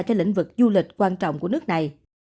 cho lĩnh vực du lịch quan trọng của nước này